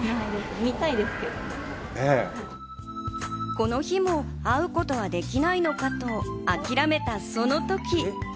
この日も会うことはできないのかと諦めたその時。